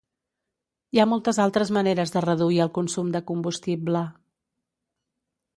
Hi ha moltes altres maneres de reduir el consum de combustible.